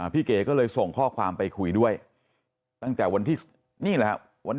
เก๋ก็เลยส่งข้อความไปคุยด้วยตั้งแต่วันที่นี่แหละครับวัน